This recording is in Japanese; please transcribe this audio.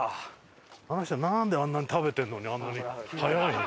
あの人はなんであんなに食べてるのにあんなに速いの？